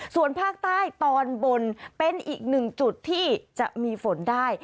ส่วนภาคใต้ตอนบนเป็นอีกหนึ่งจุดที่จะมีฝนได้